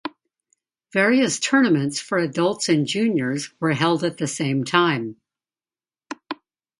Various tournaments for adults and juniors were held at the same time.